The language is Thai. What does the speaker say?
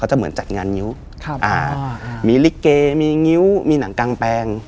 จะเหมือนจัดงานงิ้วมีลิเกมีงิ้วมีหนังกางแปลง